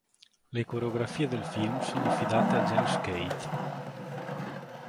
Le coreografie del film sono affidate a Jens Keith.